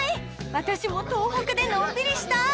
私も東北でのんびりしたい！